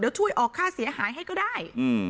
เดี๋ยวช่วยออกค่าเสียหายให้ก็ได้